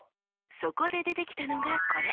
そこで出てきたのがこれ。